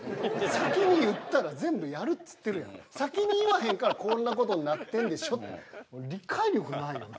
先に言ったら全部やるっつってるやん先に言わへんからこんなことになってんでしょって理解力ないよな